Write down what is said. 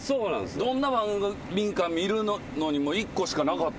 どんな番組か見るのにも１個しかなかった？